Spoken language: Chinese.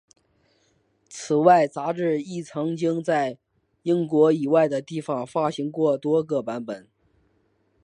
此外杂志亦曾经在英国以外的地方发行过多个版本。